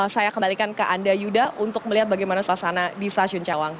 saya kembalikan ke anda yuda untuk melihat bagaimana suasana di stasiun cawang